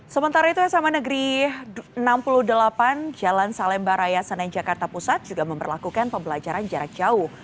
sementara itu sma negeri enam puluh delapan jalan salemba raya senen jakarta pusat juga memperlakukan pembelajaran jarak jauh